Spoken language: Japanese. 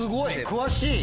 詳しい！